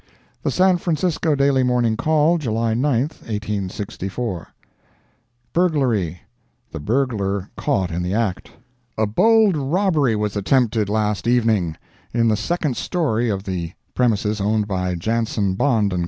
The San Francisco Daily Morning Call, July 9, 1864 BURGLARY—THE BURGLAR CAUGHT IN THE ACT A bold robbery was attempted, last evening, in the second story of the premises owned by Janson, Bond & Co.